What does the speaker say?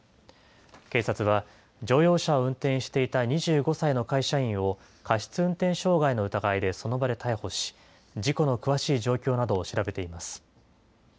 警察は、乗用車を運転していた２５歳の会社員を過失運転傷害の疑いでその場で逮捕し、事故の詳しい状況などを調べています。